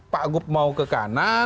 pak gub mau ke kedua